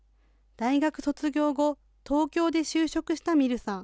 大学卒業後、東京で就職したｍｉｒｕさん。